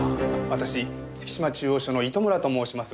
私月島中央署の糸村と申します。